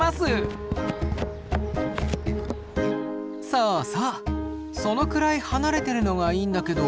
そうそうそのくらい離れてるのがいいんだけど。